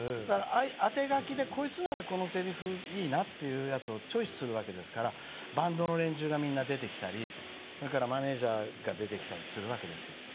当て書きで「こいつならこのせりふいいな」っていうやつをチョイスするわけですからバンドの連中がみんな出てきたりそれからマネジャーが出てきたりするわけですよ。